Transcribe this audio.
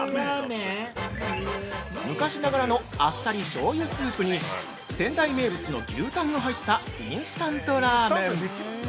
◆昔ながらのあっさりしょうゆスープに仙台名産の牛タンの入ったインスタントラーメン。